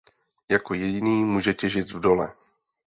Jako jediný může těžit v dole.